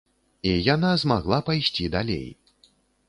І яна змагла пайсці далей.